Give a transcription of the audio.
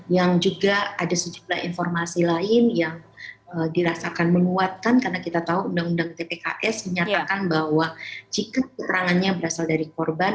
yang juga ada sejumlah informasi lain yang dirasakan menguatkan karena kita tahu undang undang tpks menyatakan bahwa jika keterangannya berasal dari korban